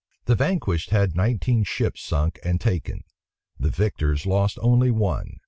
The vanquished had nineteen ships sunk and taken. The victors lost only one.